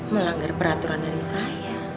menganggar peraturan dari saya